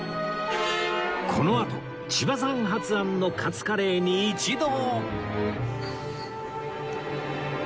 このあと千葉さん発案のカツカレーに一同